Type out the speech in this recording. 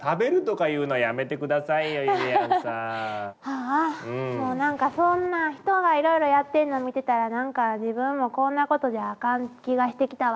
ああもう何かそんなん人がいろいろやってんの見てたら何か自分もこんなことじゃあかん気がしてきたわ。